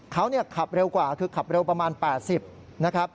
เขาขับเร็วกว่าคือขับเร็วประมาณ๘๐นะครับ